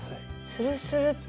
スルスルッと。